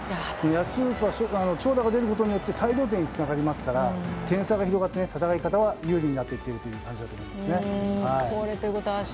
ヤクルトは長打が出ることで大量点につながりますから点差が広がって、戦い方が有利になっていっているという感じだと思いますね。